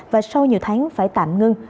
và sau nhiều tháng phải tạm ngưng